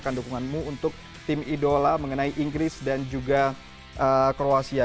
dan juga untuk tim idola mengenai inggris dan juga kroasia